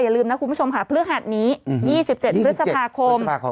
อย่าลืมนะคุณผู้ชมค่ะพฤหัสนี้๒๗พฤษภาคม